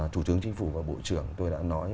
thủ tướng chính phủ và bộ trưởng tôi đã nói